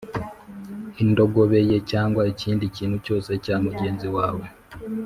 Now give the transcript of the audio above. indogobe ye cyangwa ikindi kintu cyose cya mugenzi wawe